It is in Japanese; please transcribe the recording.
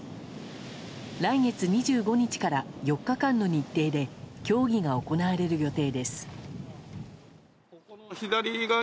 来月２５日から４日間の日程で競技が行われる予定です。